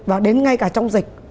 và đến ngay cả trong dịch